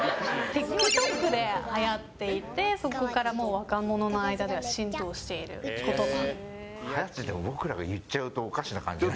ＴｉｋＴｏｋではやっていてそこから若者の間では浸透している言葉。